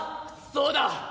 「そうだ！